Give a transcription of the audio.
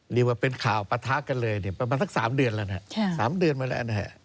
เรียกว่าเป็นข่าวปะท้ากันเลยประมาณสัก๓เดือนแล้วนะครับ